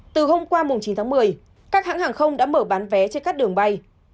từ hôm qua chín tháng một mươi các hãng hàng không đã mở bán vé trên các đường bay